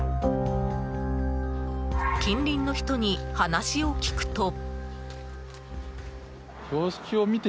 近隣の人に話を聞くと。